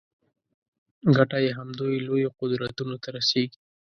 ګټه یې همدوی لویو قدرتونو ته رسېږي.